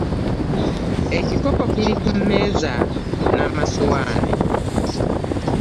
Ekikopo kiri ku mmeeza n'omasowaani.